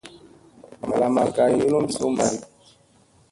Mbala makka yulum su manda.